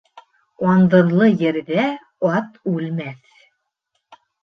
Андыҙлы ерҙә ат үлмәҫ